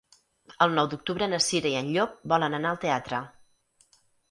El nou d'octubre na Cira i en Llop volen anar al teatre.